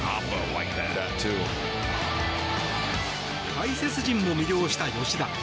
解説陣も魅了した吉田。